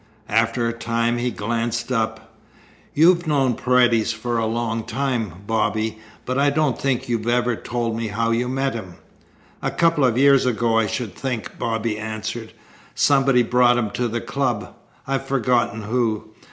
After a time he glanced up. "You've known Paredes for a long time, Bobby, but I don't think you've ever told me how you met him." "A couple of years ago I should think," Bobby answered. "Somebody brought him to the club. I've forgotten who.